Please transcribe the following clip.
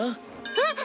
えっ！